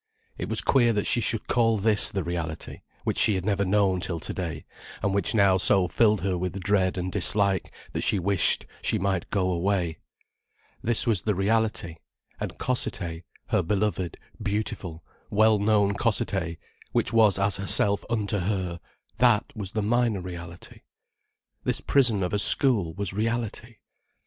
It was queer that she should call this the reality, which she had never known till to day, and which now so filled her with dread and dislike, that she wished she might go away. This was the reality, and Cossethay, her beloved, beautiful, wellknown Cossethay, which was as herself unto her, that was minor reality. This prison of a school was reality.